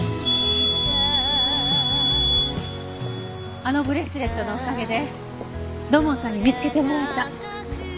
あのブレスレットのおかげで土門さんに見つけてもらえた。